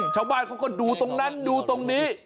ชาวบ้านเขาก็ดูตรงนั้นดูตรงนี้